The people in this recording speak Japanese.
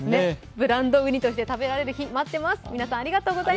ブランドうにとして食べられる日待っています。